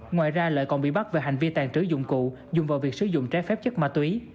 ngoài ra lợi còn bị bắt về hành vi tàn trữ dụng cụ dùng vào việc sử dụng trái phép chất ma túy